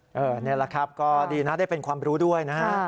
นี่แหละครับก็ดีนะได้เป็นความรู้ด้วยนะฮะ